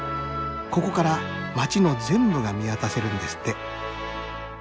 ここから街の全部が見渡せるんですって。